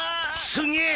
すげえ！